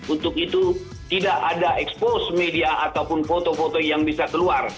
untuk itu tidak ada expose media ataupun foto foto yang bisa keluar